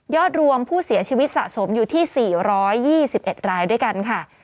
รวมผู้เสียชีวิตสะสมอยู่ที่๔๒๑รายด้วยกันค่ะ